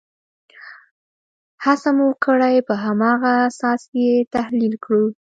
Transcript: هڅه مو کړې په هماغه اساس یې تحلیل کړو.